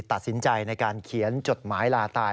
ตัดสินใจในการเขียนจดหมายลาตาย